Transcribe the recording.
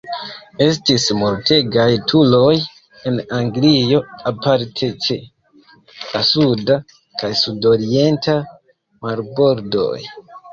Estis multegaj turoj en Anglio, aparte ĉe la suda kaj sudorienta marbordoj.